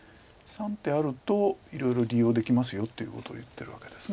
３手あるといろいろ利用できますよということを言ってるわけです。